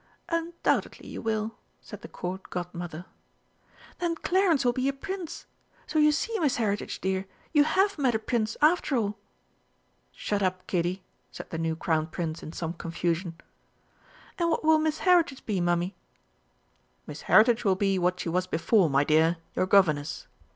"Undoubtedly you will," said the Court Godmother. "Then Clarence will be a Prince. So you see, Miss Heritage, dear, you have met a Prince after all!" "Shut up, Kiddie!" said the new Crown Prince in some confusion. "And what will Miss Heritage be, Mummy?" "Miss Heritage will be what she was before, my dear your governess."